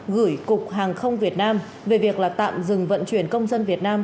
gửi cục hàng không việt nam về việc tạm dừng vận chuyển công dân việt nam